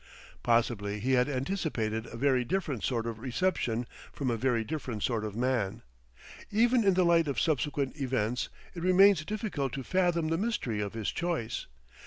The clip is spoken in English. Possibly he had anticipated a very different sort of reception from a very different sort of man. Even in the light of subsequent events it remains difficult to fathom the mystery of his choice.